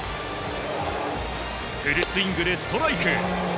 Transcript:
フルスイングでストライク。